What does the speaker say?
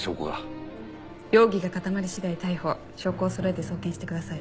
容疑が固まり次第逮捕証拠をそろえて送検してください。